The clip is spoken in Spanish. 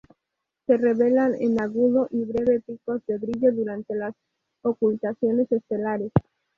Se revelan en agudo y breve picos de brillo durante las ocultaciones estelares.